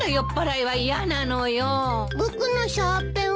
僕のシャーペンは？